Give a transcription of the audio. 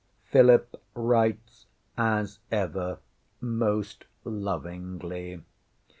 Philip writes as ever most lovingly.